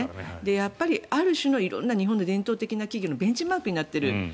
やっぱりある種の日本の伝統的な企業のベンチマークになっている。